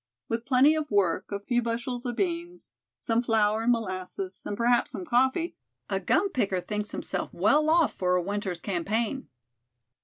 With plenty of work, a few bushels of beans, some flour and molasses, and perhaps some coffee, a gum picker thinks himself well off for a winter's campaign."